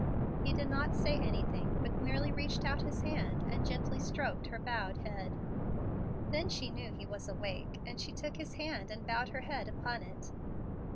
He did not say anything, but merely reached out his hand and gently stroked her bowed head. Then she knew he was awake, and she took his hand and bowed her head upon it.